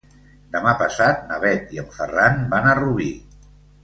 Demà passat na Bet i en Ferran van a Rubí.